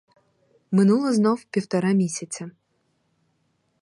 Минуло знов півтора місяця.